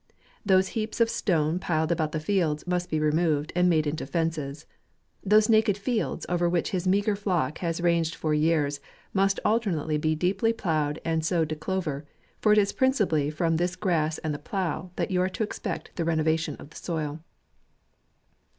Those heaps of stones piled about the fields, must be removed, and made into fences. Those naked fields, over which his meagre flock has ranged for years, must alternately be deeply ploughed and sowed to clover, for it is principally from this grass and the plough, that you are to expect the reno vation of the soil.